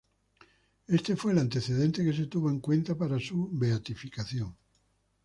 Este fue el antecedente que se tuvo en cuenta para su beatificación.